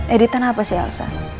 editan apa sih elsa